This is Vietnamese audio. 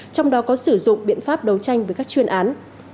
trong đó có sử dụng biện pháp đấu tranh với các chuyên án